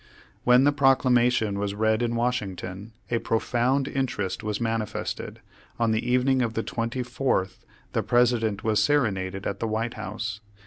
When the Proclamation was read in Washing ton, a profound interest was manifested. On the evening of the 24th the President was serenaded at the White House.